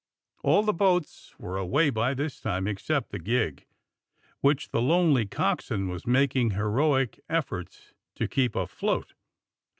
All the boats were away by this time, except the gig, which the lonely coxswain was making heroic efforts to keep afloat.